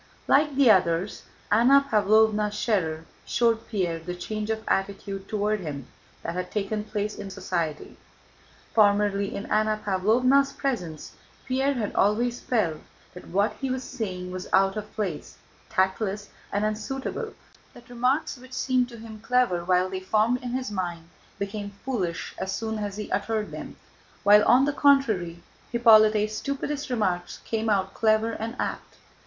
Like the others, Anna Pávlovna Schérer showed Pierre the change of attitude toward him that had taken place in society. Formerly in Anna Pávlovna's presence, Pierre had always felt that what he was saying was out of place, tactless and unsuitable, that remarks which seemed to him clever while they formed in his mind became foolish as soon as he uttered them, while on the contrary Hippolyte's stupidest remarks came out clever and apt.